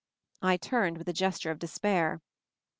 I turned with a gesture of despair.